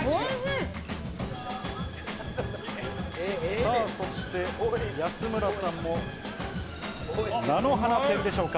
さあ、そして安村さんも、菜の花天でしょうか。